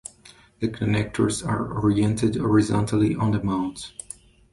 The connectors are oriented horizontally on the mount.